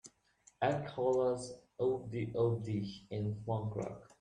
add carla's OopDeeWopDee in Funk Rock